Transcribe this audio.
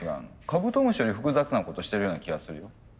カブトムシより複雑なことしてるような気がするよ。